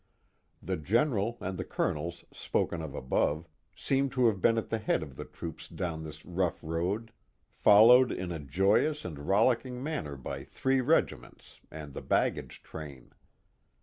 The general and the colonels spoken of above seem to have been at the head of the troops down this rough road, followed in a joyous and rollicking manner by three regiments and the baggage train.